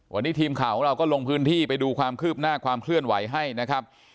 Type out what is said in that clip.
วันนี้ทีมข่าวของเราก็ลงพื้นที่ไปดูความคืบหน้าความเคลื่อนไหวให้นะครับ